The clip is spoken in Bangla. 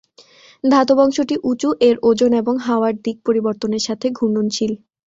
ধাতব অংশটি উঁচু, এর ওজন এবং হাওয়ার দিক পরিবর্তনের সাথে ঘূর্ণনশীল।